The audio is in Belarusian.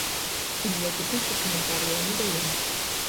І ніякіх іншых каментарыяў не даем.